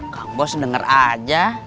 kang bos denger aja